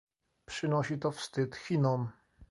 Przynosi to wstyd Chinom